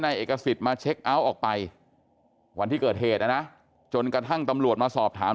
เอกสิทธิ์มาเช็คเอาท์ออกไปวันที่เกิดเหตุนะนะจนกระทั่งตำรวจมาสอบถาม